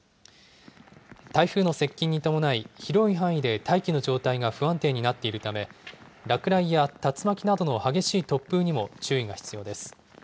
台風の接近に伴い、広い範囲で大気の状態が不安定になっているため、落雷や竜巻などの激しい突風にも注意が必要です。